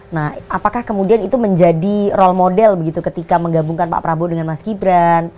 nah apakah kemudian itu menjadi role model begitu ketika menggabungkan pak prabowo dengan mas gibran